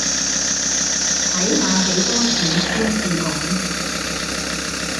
睇下幾多錢先至講